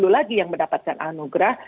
lima puluh lagi yang mendapatkan anugerah